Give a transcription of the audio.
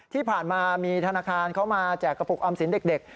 ที่ผ่านมามีธนาคารเขามาแจกกระปุกออมสินเด็ก